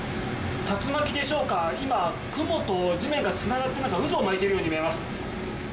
竜巻でしょうか、今、雲と地面がつながって、渦を巻いているように見えます。